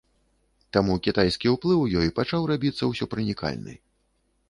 Таму кітайскі ўплыў у ёй пачаў рабіцца ўсёпранікальны.